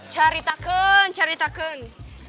cari takun cari takun